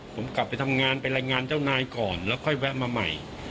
ผมกลับไปทำงานไปรายงานเจ้านายก่อนแล้วค่อยแวะมาใหม่